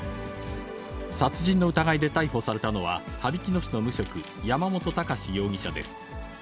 殺人の疑いで逮捕されたのは、羽曳野市の無職、山本孝容疑者です。